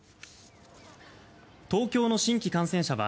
東京の新規感染者は